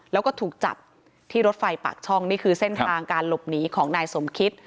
แล้วก็ถูกจับที่รถไฟปากช่องนี่คือเส้นทางการหลบหนีของนายสมคิต